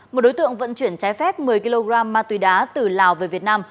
một đối tượng vận chuyển trái phép một mươi kg ma túy đá từ lào về việt nam